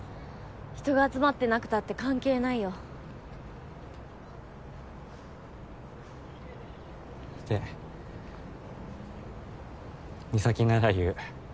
人が集まってなくったって関係ないよ。って美咲なら言う。